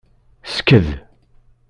Sked.